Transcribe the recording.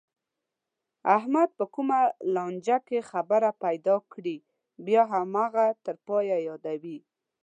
احمد چې په کومه لانجه کې خبره پیدا کړي، بیا هماغه تر پایه یادوي.